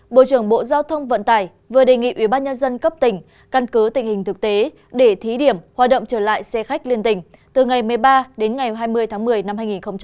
bộ trưởng bộ giao thông vận tải vừa đề nghị ubnd cấp tỉnh căn cứ tình hình thực tế để thí điểm hoạt động trở lại xe khách liên tỉnh từ ngày một mươi ba đến ngày hai mươi tháng một mươi năm hai nghìn một mươi chín